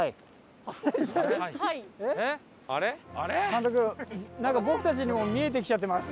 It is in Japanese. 監督なんか僕たちにも見えてきちゃってます。